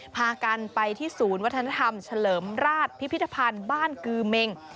พากันไปที่ศูนย์วัฒนธรรมเฉลิมราชพิพิธภัณฑ์บ้านกือเมง